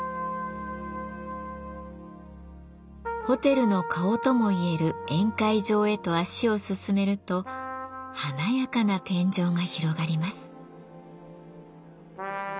ホテルの顔ともいえる宴会場へと足を進めると華やかな天井が広がります。